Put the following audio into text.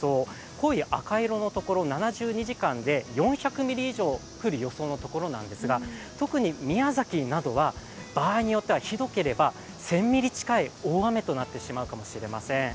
濃い赤色のところ、７２時間で４００ミリ以上降る予想のところなんですが、特に宮崎などは場合によってはひどければ１０００ミリ近い大雨となってしまうかもしれません。